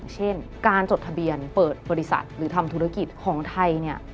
เช่นการจดทะเบียนเปิดบริษัทหรือทำธุรกิจของไทย